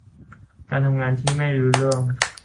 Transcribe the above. การทำงานที่ไม่ลุล่วง